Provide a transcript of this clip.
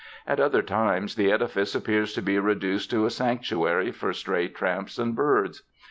At other times, the edifice appears to be reduced to a sanctuary for stray tramps and birds.